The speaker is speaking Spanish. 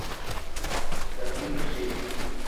Masaki Yoshida